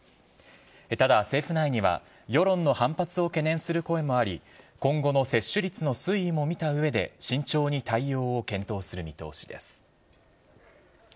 ただ、政府内には世論の反発を懸念する声もあり、今後の接種率の推移も見たうえで、慎重に対応を検討する見通しです。